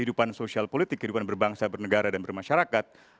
hidupan sosial politik hidupan berbangsa bernegara dan bermasyarakat